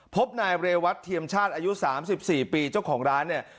พบนายเรวัตเทียมชาติอายุ๓๔ปีเจ้าของร้านเนี่ย